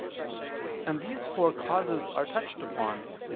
And these four causes are touched upon in Ps.